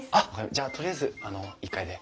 じゃあとりあえず１階で。